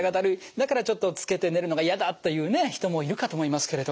だからちょっとつけて寝るのが嫌だという人もいるかと思いますけれど。